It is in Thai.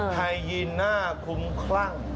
ไทยรี่ยีนหน้าคุ้มคร่ัง